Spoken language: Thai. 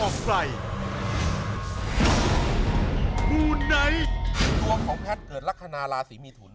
ดวงของแพทย์เกิดลักษณะราศีมีถุน